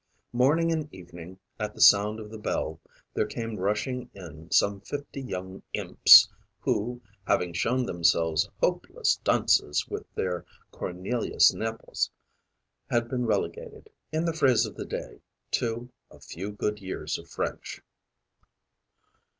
Morning and evening, at the sound of the bell, there came rushing in some fifty young imps who, having shown themselves hopeless dunces with their Cornelius Nepos, had been relegated, in the phrase of the day, to 'a few good years of French.'